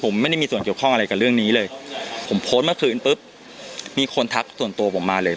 ผมไม่ได้มีส่วนเกี่ยวข้องอะไรกับเรื่องนี้เลยผมโพสต์เมื่อคืนปุ๊บมีคนทักส่วนตัวผมมาเลย